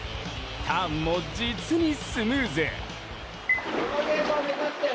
ターンも実にスムーズ。